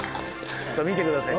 見てください